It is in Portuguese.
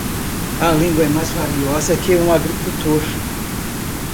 A língua é mais valiosa que um agricultor.